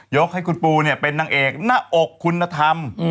ให้คุณปูเป็นนางเอกหน้าอกคุณธรรม